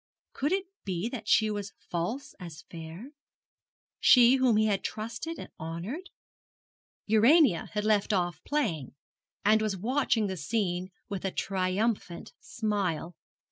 Could it be that she was false as fair she whom he had so trusted and honoured? Urania had left off playing, and was watching the scene with a triumphant smile.